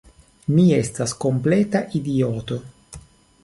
Mi estas kompleta idioto!